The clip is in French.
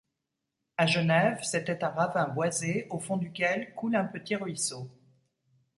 À Genève, c’était un ravin boisé au fond duquel coule un petit ruisseau.